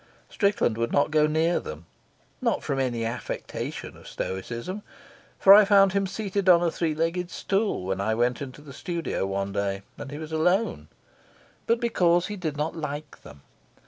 Strickland would not go near them, not from any affectation of stoicism, for I found him seated on a three legged stool when I went into the studio one day and he was alone, but because he did not like them.